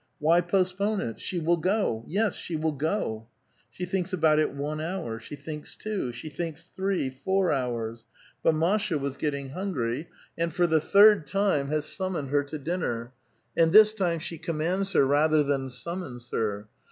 Why postpone it? She will go; yes, she will go ! She thinks about it one hour ; she thinks two ; she thinks three, four hours. But Masha was getting hungry, 840 A VITAL QUESTION. and for the third time has Bummoned her to dinner ; and this time she commands her, rather than summons her.